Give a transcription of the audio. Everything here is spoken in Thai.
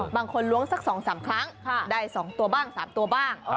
บางคนล้วงสัก๒๓ครั้งได้๒ตัวบ้าง๓ตัวบ้าง